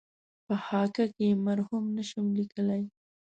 په خاکه کې یې مرحوم نشم لېکلای.